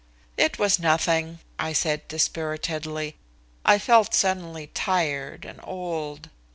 "It was nothing," I said dispiritedly. I felt suddenly tired and old.